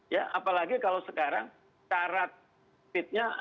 ya apalagi kalau sekarang syarat fitnya